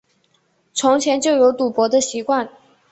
从前就有赌博的习惯